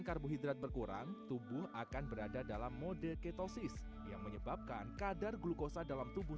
karbohidrat berkurang tubuh akan berada dalam mode ketosis yang menyebabkan kadar glukosa dalam tubuh